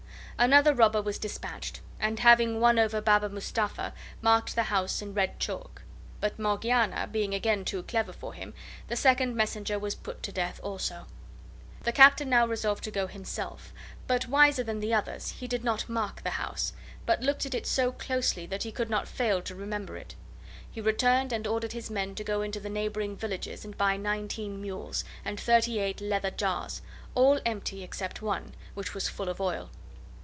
Another robber was dispatched, and, having won over Baba Mustapha, marked the house in red chalk; but Morgiana being again too clever for them, the second messenger was put to death also. The Captain now resolved to go himself, but, wiser than the others, he did not mark the house, but looked at it so closely that he could not fail to remember it. He returned, and ordered his men to go into the neighboring villages and buy nineteen mules, and thirty eight leather jars, all empty except one, which was full of oil.